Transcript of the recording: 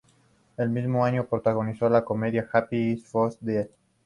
El mismo año, protagonizó la comedia Happy If You Died.